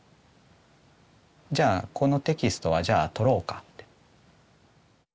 じゃあこのテキストはじゃあ取ろうかって。